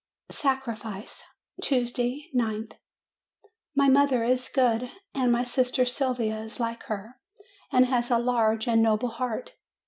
SACRIFICE Tuesday, 9th. My mother is good, and my sister Sylvia is like her, and has a large and noble heart.